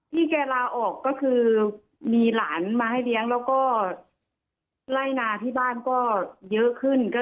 แกลาออกก็คือมีหลานมาให้เลี้ยงแล้วก็ไล่นาที่บ้านก็เยอะขึ้น